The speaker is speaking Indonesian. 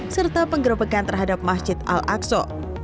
serta penggerebekan terhadap masjid al aqsa